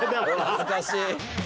恥ずかしい。